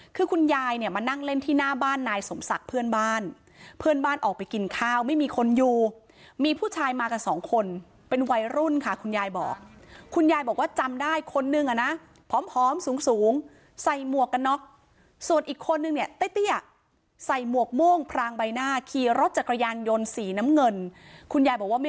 คือคุณยายเนี่ยมานั่งเล่นที่หน้าบ้านนายสมศักดิ์เพื่อนบ้านเพื่อนบ้านออกไปกินข้าวไม่มีคนอยู่มีผู้ชายมากันสองคนเป็นวัยรุ่นค่ะคุณยายบอกคุณยายบอกว่าจำได้คนนึงอ่ะนะผอมสูงสูงใส่หมวกกันน็อกส่วนอีกคนนึงเนี่ยเตี้ยใส่หมวกม่วงพรางใบหน้าขี่รถจักรยานยนต์สีน้ำเงินคุณยายบอกว่าไม่